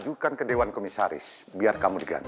ajukan ke dewan komisaris biar kamu diganti